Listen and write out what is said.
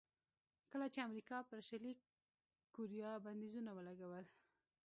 کله چې امریکا پر شلي کوریا بندیزونه ولګول.